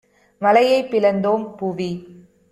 மலையைப் பிளந்தோம் - புவி